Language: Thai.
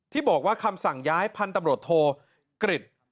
ที่บอกว่าคำสั่งย้ายพันธ์ตำรวจโทษกริต